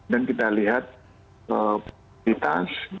dan kita lihat kualitas